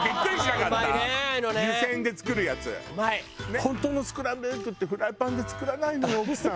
本当のスクランブルエッグってフライパンで作らないのよ奥さん。